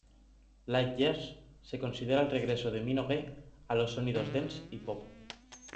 Light Years se considera el regreso de Minogue a los sonidos dance y pop.